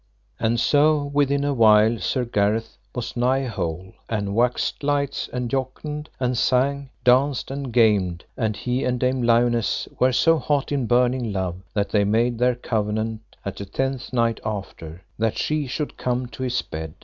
And so within a while Sir Gareth was nigh whole, and waxed light and jocund, and sang, danced, and gamed; and he and Dame Lionesse were so hot in burning love that they made their covenant at the tenth night after, that she should come to his bed.